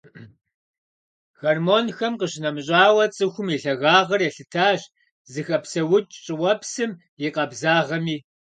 Гормонхэм къищынэмыщӀауэ, цӀыхум и лъагагъэр елъытащ зыхэпсэукӀ щӀыуэпсым и къабзагъэми.